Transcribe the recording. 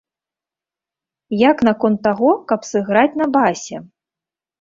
Як наконт таго, каб сыграць на басе?